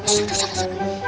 susah susah susah